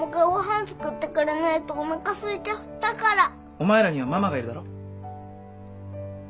お前らにはママがいるだろ？